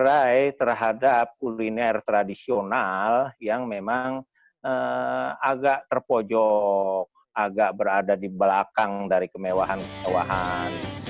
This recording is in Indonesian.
bercerai terhadap kuliner tradisional yang memang agak terpojok agak berada di belakang dari kemewahan kemewahan